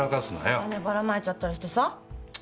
お金バラ撒いちゃったりしてさ。